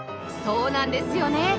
そうなんですよね